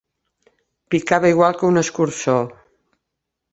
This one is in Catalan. Picava igual que un escurçó.